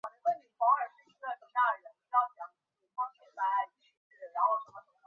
当时蔡若莲亦担任政治立场亲建制的香港教育工作者联会副主席。